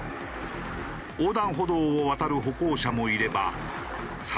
横断歩道を渡る歩行者もいれば更に危ない。